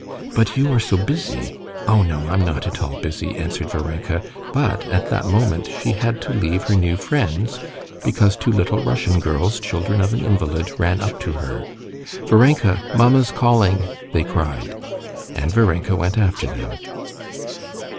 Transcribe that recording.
"But you are so busy." "Oh, no, I'm not at all busy," answered Varenka, but at that moment she had to leave her new friends because two little Russian girls, children of an invalid, ran up to her. "Varenka, mamma's calling!" they cried. And Varenka went after them.